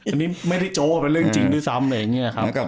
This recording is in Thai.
อันนี้ไม่ได้โจ๊กว่าเป็นเรื่องจริงด้วยซ้ำอะไรอย่างนี้ครับ